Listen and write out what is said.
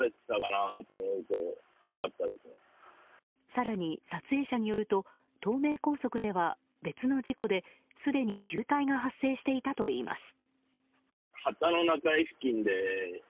更に撮影者によると東名高速では別の事故で、すでに渋滞が発生していたといいます。